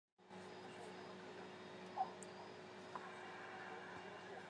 无穷小量的概念是否严格呢？